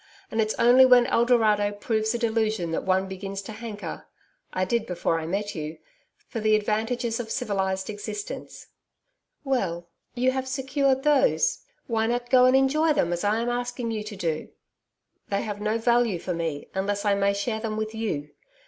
And it's only when El Dorado proves a delusion that one begins to hanker I did before I met you for the advantages of civilised existence.' 'Well, you have secured those. Why not go and enjoy them as I'm asking you to do.' 'They have no value for me, unless I may share them with you.